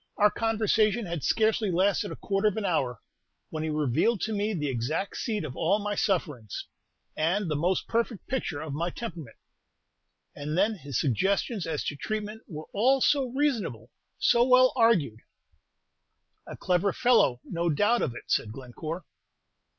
Our conversation had scarcely lasted a quarter of an hour, when he revealed to me the exact seat of all my sufferings, and the most perfect picture of my temperament. And then his suggestions as to treatment were all so reasonable, so well argued." "A clever fellow, no doubt of it," said Glencore.